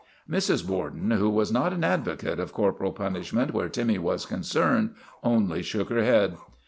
Mrs. Borden, who was not an advocate of cor poral punishment where Timmy was concerned, only shook her head.